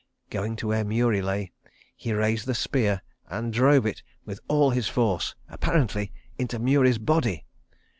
Going to where Murie lay, he raised the spear and drove it with all his force—apparently into Murie's body!